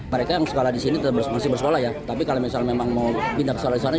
mereka yang sekolah di sini masih bersekolah ya tapi kalau misalnya memang mau pindah sekolah di sana